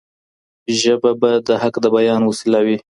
ژبه به د حق د بيان وسيله وي.